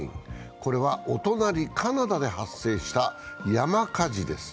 これはお隣・カナダで発生した山火事です。